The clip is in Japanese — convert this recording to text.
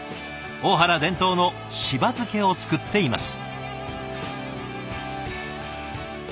大原伝統のしば漬けを作っています。